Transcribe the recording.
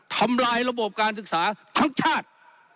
ทำลายระบบการศึกษาทั้งชาติ